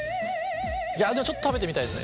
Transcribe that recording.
いやでもちょっと食べてみたいですね。